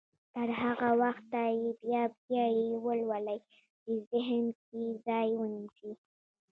تر هغه وخته يې بيا بيا يې ولولئ چې ذهن کې ځای ونيسي.